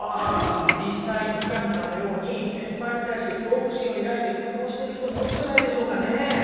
実際三上さんのように先輩に対して恐怖心を抱いて苦悩してる人も多いんじゃないでしょうかね。